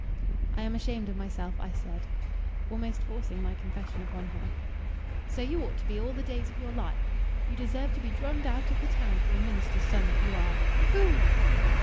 "I am ashamed of myself," I said, almost forcing my confession upon her. "So you ought to be all the days of your life. You deserve to be drummed out of the town for a minister's son that you are! Hoo!"